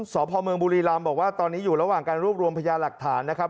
สพเมืองบุรีรำบอกว่าตอนนี้อยู่ระหว่างการรวบรวมพยาหลักฐานนะครับ